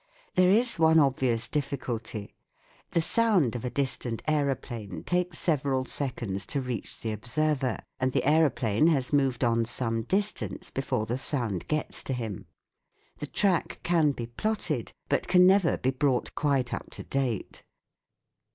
There is one' obvious difficulty : the sound of a distant aeroplane takes several seconds to reach the observer, and the aeroplane has moved on some distance before the sound gets to him.' The track can be plotted, but can never be brought quite up to date.